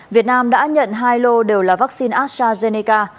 việt nam đã nhận hai lô đều là vaccine astrazeneca